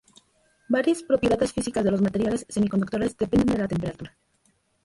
Varias propiedades físicas de los materiales semiconductores dependen de la temperatura.